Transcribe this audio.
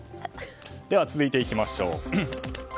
では続いていきましょう。